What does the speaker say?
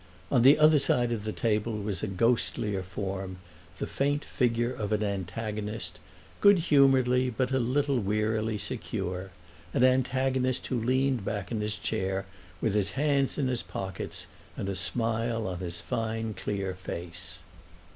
On the other side of the table was a ghostlier form, the faint figure of an antagonist good humouredly but a little wearily secure—an antagonist who leaned back in his chair with his hands in his pockets and a smile on his fine clear face.